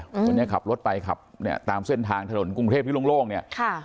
คนนี้ขับรถไปขับเนี่ยตามเส้นทางถนนกรุงเทพที่โล่งเนี้ยค่ะ